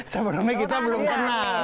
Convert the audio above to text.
sebelumnya kita belum kenal